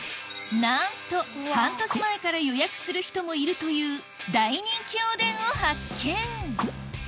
なんと半年前から予約する人もいるという大人気おでんを発見